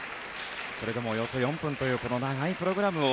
それでもおよそ４分というこの長いプログラムを